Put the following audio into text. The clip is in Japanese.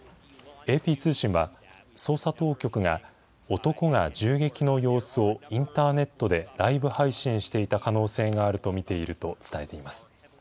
ＡＰ通信は、捜査当局が、男が銃撃の様子をインターネットでライブ配信していた可能性があると見ていると伝えています。